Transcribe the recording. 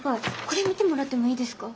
これ見てもらってもいいですか？